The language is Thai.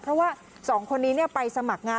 เพราะว่า๒คนนี้ไปสมัครงาน